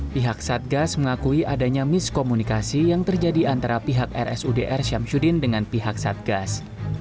pihak satgas mengakui adanya miskomunikasi yang terjadi antara pihak rsud r syamsuddin dengan pihak satgas